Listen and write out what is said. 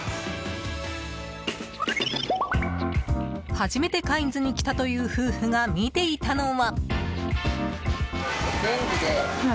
初めてカインズに来たという夫婦が見ていたのは。